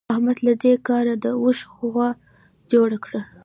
احمد له دې کاره د اوښ غوو جوړ کړل.